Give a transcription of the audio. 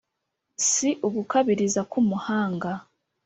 si ugukabiriza k’umuhanga